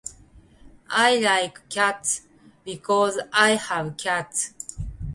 I like cats. Because I have cats.